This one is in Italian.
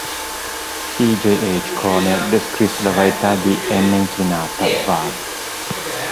E. J. H. Corner descrisse le varietà di "M. inclinata" var.